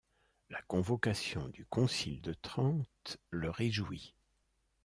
La convocation du concile de Trente le réjouit.